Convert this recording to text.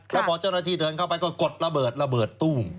แล้วพอเจ้าหน้าที่เดินเข้าไปก็กดระเบิดระเบิดตู้ม